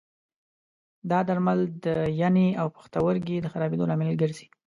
دا درمل د ینې او پښتورګي د خرابېدو لامل هم ګرځي.